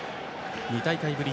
２大会ぶり